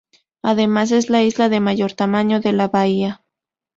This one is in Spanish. Además, es la isla de mayor tamaño de la bahía.